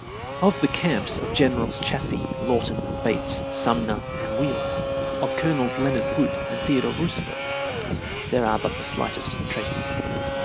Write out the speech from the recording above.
Of the camps of Generals Chaffee, Lawton, Bates, Sumner, and Wheeler, of Colonels Leonard Wood and Theodore Roosevelt, there are but the slightest traces.